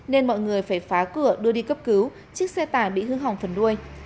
nên mọi người phải phá cửa đưa đi cấp cứu chiếc xe tải bị hư hỏng phần đuôi